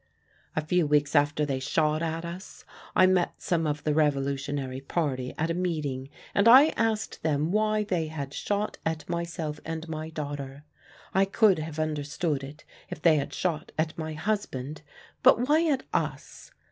A few weeks after they shot at us I met some of the revolutionary party at a meeting, and I asked them why they had shot at myself and my daughter. I could have understood it if they had shot at my husband. But why at us?